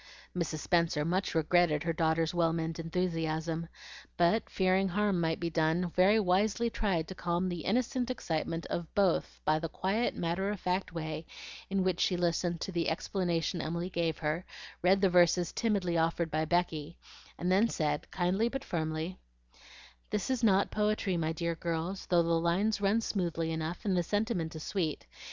Mrs. Spenser much regretted her daughter's well meant enthusiasm, but fearing harm might be done, very wisely tried to calm the innocent excitement of both by the quiet matter of fact way in which she listened to the explanation Emily gave her, read the verses timidly offered by Becky, and then said, kindly but firmly: "This is not poetry, my dear girls, though the lines run smoothly enough, and the sentiment is sweet.